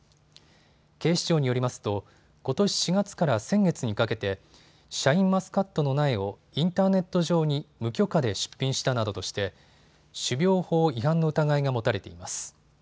警視庁によりますとことし４月から先月にかけてシャインマスカットの苗をインターネット上に無許可で出品したなどとして種苗法違反の疑いが持たれています。